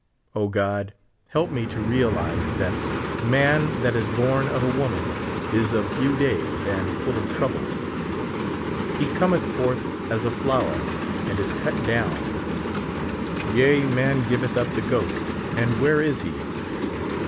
O, God, help me to realize that •• man that is born of a woman is of few days, and full ot trouble : he cometh forth as a flower and is cut down ; yea man giveth up the ghost, and where is he